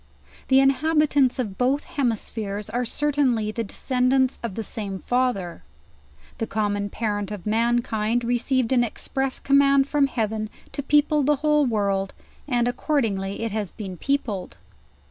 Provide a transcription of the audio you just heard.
The inhabitants of both hemispheres are certainly the descendants of the same father; the common parent of man kind received an express command from Heaven to people the whole world, and accordingly it has been peopled.